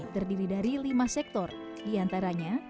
terdiri dari lima sektor diantaranya